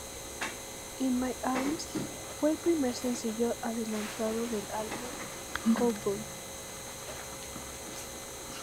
In My Arms fue el primer sencillo adelanto del álbum "Cowboy".